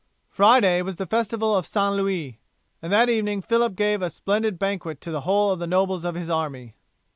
Friday was the festival of St. Louis, and that evening Phillip gave a splendid banquet to the whole of the nobles of his army.